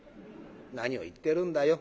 「何を言ってるんだよ。